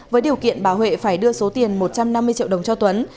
với điều kiện bà huệ phải đưa số tiền một trăm năm mươi triệu đồng cho tuấn